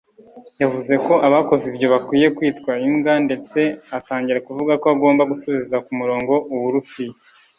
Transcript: yavuze ko abakoze ibyo bakwiye kwitwa ‘imbwa’ ndetse atangira kuvuga ko agomba gusubiza ku murongo u Burusiya